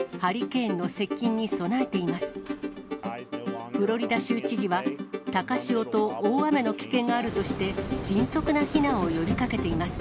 フロリダ州知事は、高潮と大雨の危険があるとして、迅速な避難を呼びかけています。